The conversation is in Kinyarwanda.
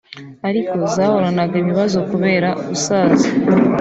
ariko zahoranaga ibibazo kubera gusaza